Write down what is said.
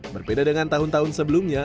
berbeda dengan tahun tahun sebelumnya